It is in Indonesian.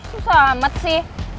susah amat sih